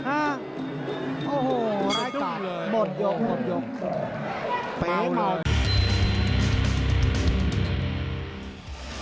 โอ้โหร้ายกากหมดยกบรีบ